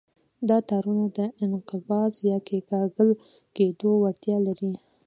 دا تارونه د انقباض یا کیکاږل کېدو وړتیا لري.